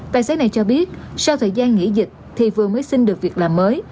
tài xế này cho biết sau thời gian nghỉ dịch thì vừa mới xin được việc làm mới